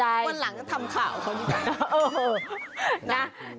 วันหลังก็ทำข่าวเขาดีกว่านี้